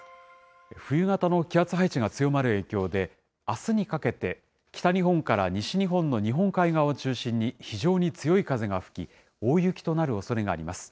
冬型の気圧配置が強まる影響で、あすにかけて、北日本から西日本の日本海側を中心に非常に強い風が吹き、大雪となるおそれがあります。